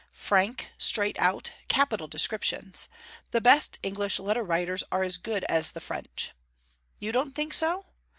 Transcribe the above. Frank, straight out: capital descriptions. The best English letter writers are as good as the French You don't think so?